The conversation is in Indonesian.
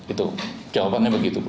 itu jawabannya begitu bu